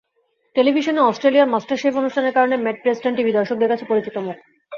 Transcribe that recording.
টেলিভিশনে Australian MasterChef অনুষ্ঠানের কারণে ম্যাট প্রেস্টন টিভি দর্শকদের কাছে পরিচিত মুখ।